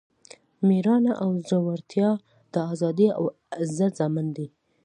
میړانه او زړورتیا د ازادۍ او عزت ضامن دی.